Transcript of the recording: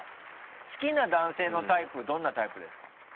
好きな男性のタイプどんなタイプですか？